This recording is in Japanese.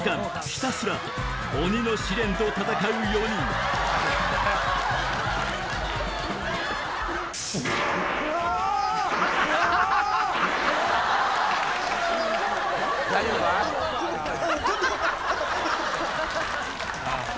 ひたすら鬼の試練と闘う４人あうあああ。